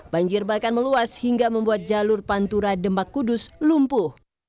banjir bahkan meluas hingga membuat jalur pantura demak kudus lumpuh